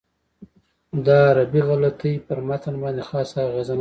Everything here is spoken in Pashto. دا عربي غلطۍ پر متن باندې خاصه اغېزه نه لري.